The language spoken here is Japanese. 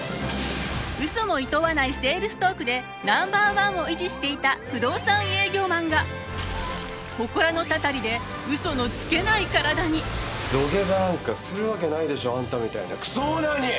嘘もいとわないセールストークでナンバーワンを維持していた不動産営業マンが土下座なんかするわけないでしょあんたみたいなクソオーナーに！